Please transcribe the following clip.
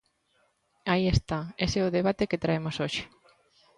Aí está, ese é o debate que traemos hoxe.